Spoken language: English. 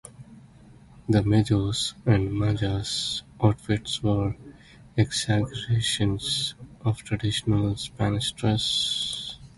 The "majos" and "majas" outfits were exaggerations of traditional Spanish dress.